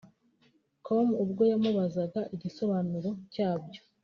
com ubwo yamubazaga igisobanuro cyabyo